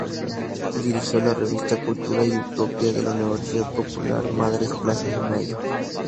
Dirigió la revista "Cultura y Utopía", de la Universidad Popular Madres Plaza de Mayo.